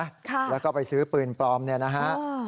ค่ะแล้วก็ไปซื้อปืนปลอมเนี่ยนะฮะ